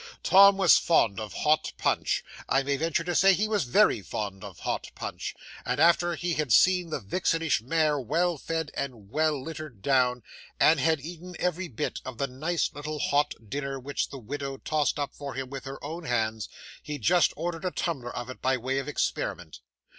Tom was fond of hot punch I may venture to say he was very fond of hot punch and after he had seen the vixenish mare well fed and well littered down, and had eaten every bit of the nice little hot dinner which the widow tossed up for him with her own hands, he just ordered a tumbler of it by way of experiment.